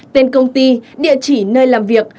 tên công ty địa chỉ nơi làm việc